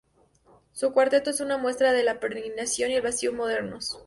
Su cuarteto es una muestra de la peregrinación y el vacío modernos.